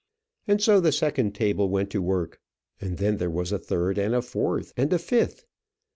And so the second table went to work. And then there was a third, and a fourth, and a fifth.